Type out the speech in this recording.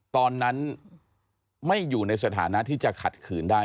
ตอนนั้นไม่อยู่ในสถานะที่จะขัดขืนได้